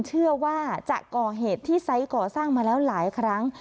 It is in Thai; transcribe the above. เชื่อว่าจะก่อเหตุที่ไซส์ก่อสร้างมาแล้วหลายครั้ง